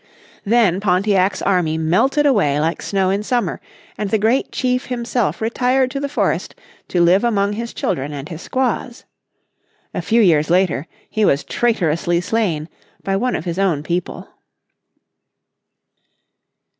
Then Pontiac's army melted away like snow in summer, and the great Chief himself retired to the forest to live among his children and his squaws. A few years later he was traitorously slain by one of his own people.